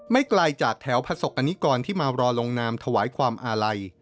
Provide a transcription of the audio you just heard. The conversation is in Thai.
ไม่ไกลจากแถวภาษกนิกรที่มารอลงนามทะวายความอะไล